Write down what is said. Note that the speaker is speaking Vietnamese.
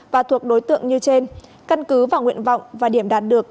và thuộc đối tượng như trên căn cứ vào nguyện vọng và điểm đạt được